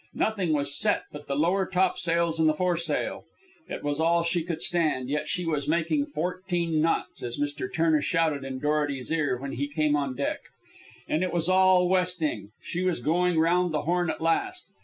Nothing was set but the lower topsails and the foresail. It was all she could stand, yet she was making fourteen knots, as Mr. Turner shouted in Dorety's ear when he came on deck. And it was all westing. She was going around the Horn at last...